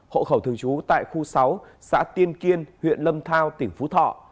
hộ khẩu thường trú tại khu sáu xã tiên kiên huyện lâm thao tỉnh phú thọ